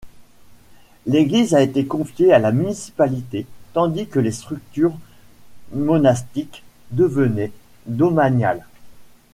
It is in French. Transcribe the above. L'église a été confiée à la municipalité, tandis que les structures monastiques devenaient domaniales.